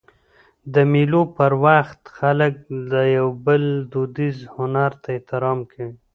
د مېلو پر وخت خلک د یو بل دودیز هنر ته احترام کوي.